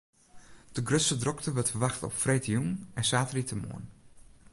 De grutste drokte wurdt ferwachte op freedtejûn en saterdeitemoarn.